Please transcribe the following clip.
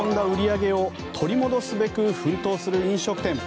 売り上げを取り戻すべく奮闘する飲食店。